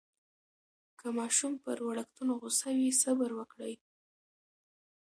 که ماشوم پر وړکتون غوصه وي، صبر وکړئ.